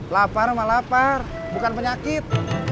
lapar malah lapar bukan penyakit